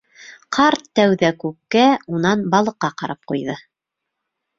Ҡарт тәүҙә күккә, унан балыҡҡа ҡарап ҡуйҙы.